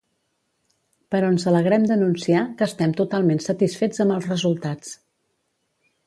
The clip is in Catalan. Però ens alegrem d'anunciar que estem totalment satisfets amb els resultats.